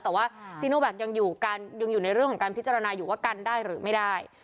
แต่ว่าซีโนแวคยังอยู่ในเรื่องของการพิจารณาอยู่ว่ากันได้หรือไม่ได้